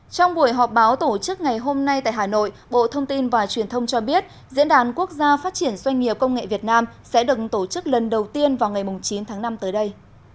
trong buổi họp báo tổ chức ngày hôm nay tại hà nội bộ thông tin và truyền thông cho biết diễn đàn quốc gia phát triển doanh nghiệp công nghệ việt nam sẽ được tổ chức lần đầu tiên vào ngày chín tháng năm tới đây